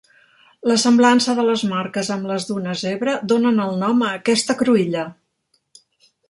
La semblança de les marques amb les d'una zebra donen el nom a aquesta cruïlla.